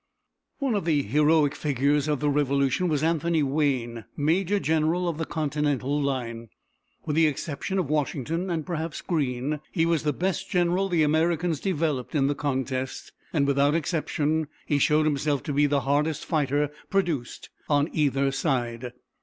One of the heroic figures of the Revolution was Anthony Wayne, Major General of the Continental line. With the exception of Washington, and perhaps Greene, he was the best general the Americans developed in the contest; and without exception he showed himself to be the hardest fighter produced on either side.